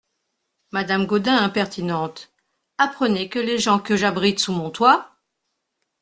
Madame Gaudin Impertinente ! apprenez que les gens que j'abrite sous mon toit …